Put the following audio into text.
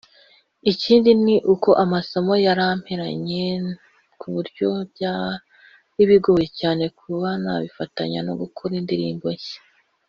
ikindi ni uko amasomo yamperanye ku buryo byari bigoye cyane kuba nabifatanya no gukora indirimbo nshya